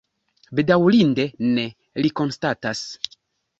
Bedaŭrinde ne, li konstatas.